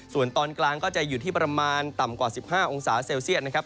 ส่วนตอนกลางก็จะอยู่ที่ประมาณต่ำกว่า๑๕องศาเซลเซียตนะครับ